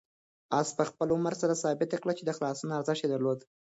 آس په خپل عمل سره ثابته کړه چې د خلاصون ارزښت یې درلود.